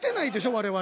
我々。